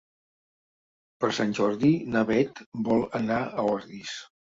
Per Sant Jordi na Bet vol anar a Ordis.